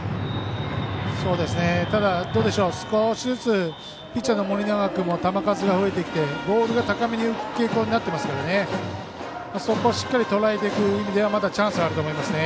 ただ、少しずつピッチャーの盛永君も球数が増えてきてボールが高めに浮く傾向になっていますからそこをしっかりとらえていくという意味ではまだチャンスはあると思いますね。